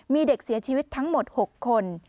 มีเด็กเสียชีวิตทั้งหมด๖คน